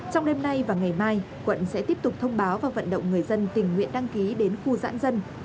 trong đêm nay và ngày mai quận sẽ tiếp tục thông báo và vận động người dân tình nguyện đăng ký đến khu giãn dân